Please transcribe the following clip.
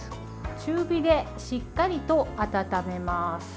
中火でしっかりと温めます。